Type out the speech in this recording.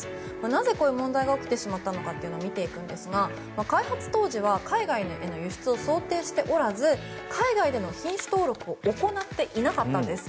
なぜこういう問題が起きてしまったのかを見ていきますが開発当時は、海外への輸出を想定しておらず海外での品種登録を行っていなかったんです。